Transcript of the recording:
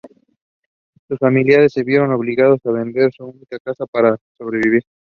Sus familiares se vieron obligados a vender su única casa para sobrevivir.